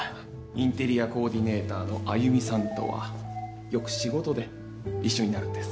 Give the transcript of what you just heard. インテリアコーディネーターの歩美さんとはよく仕事で一緒になるんです。